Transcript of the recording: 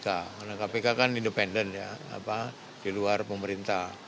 karena kpk kan independen ya di luar pemerintah